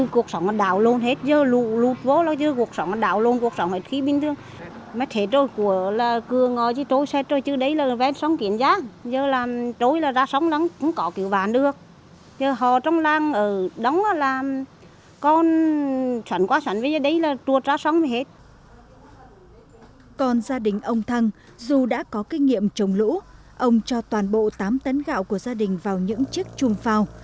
còn gia đình ông thăng dù đã có kinh nghiệm trồng lũ ông cho toàn bộ tám tấn gạo của gia đình vào những chiếc chung phao